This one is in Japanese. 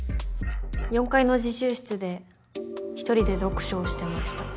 ４階の自習室で１人で読書をしてました。